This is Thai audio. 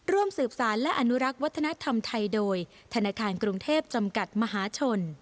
ร่วมสืบสารและอนุรักษ์วัฒนธรรมไทยโดยธนาคารกรุงเทพจำกัดมหาชน